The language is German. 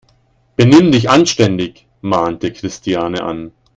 Benimm dich anständig!, mahnte Christiane an.